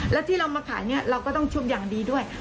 แล้วที่เรามาขายเนี่ยเราก็ต้องชุบอย่างดีด้วย